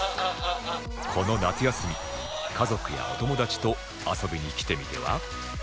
この夏休み家族やお友達と遊びに来てみては？